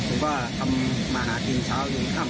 แต่เลยทำมาหากินแนะงงธรรม